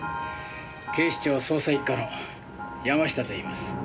警視庁捜査一課の山下といいます。